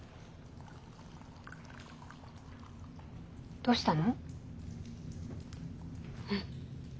どうしたの？